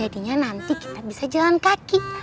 jadinya nanti kita bisa jalan kaki